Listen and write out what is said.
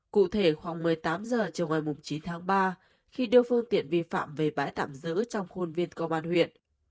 cụ thể khoảng một mươi tám giờ trời ngoài mùng chín tháng ba khi đưa phương tiện vi phạm về bãi tạm giữ trong khuôn viên công an huyện